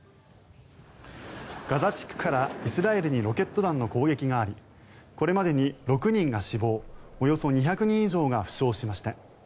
ガザ地区からイスラエルにロケット弾の攻撃がありこれまでに６人が死亡およそ２００人以上が負傷しました。